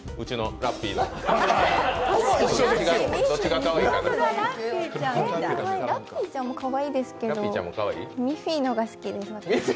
ラッピーちゃんもかわいいですけどミッフィーの方が好きです。